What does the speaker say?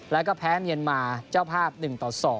แล้วก็แพ้เมียนมาเจ้าภาพ๑ต่อ๒